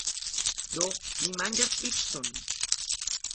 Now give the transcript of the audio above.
Do, mi manĝas picon!